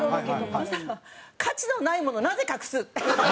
そしたら「価値のないものなぜ隠す？」。